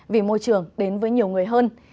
vì môi trường đến với nhiều người hơn